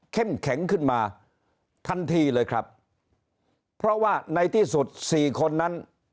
แข็งขึ้นมาทันทีเลยครับเพราะว่าในที่สุดสี่คนนั้น